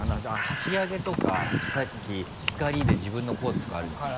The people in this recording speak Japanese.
箸上げとかさっき光で自分のコートとかあるじゃない。